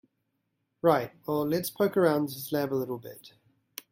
Right, well let's poke around his lab a little.